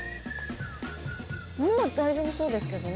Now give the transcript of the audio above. もう大丈夫そうですけどね。